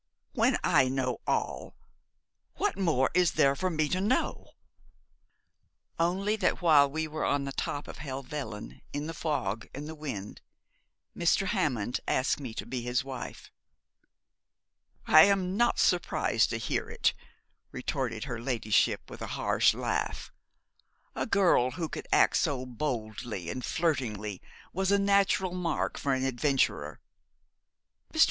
'When I know all! What more is there for me to know?' 'Only that while we were on the top of Helvellyn, in the fog and the wind, Mr. Hammond asked me to be his wife.' 'I am not surprised to hear it,' retorted her ladyship, with a harsh laugh. 'A girl who could act so boldly and flirtingly was a natural mark for an adventurer. Mr.